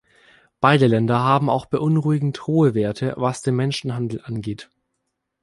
Beide Länder haben auch beunruhigend hohe Werte was den Menschenhandel angeht.